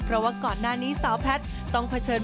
เพราะว่าก่อนหน้านี้สาวแพทย์ต้องเผชิญ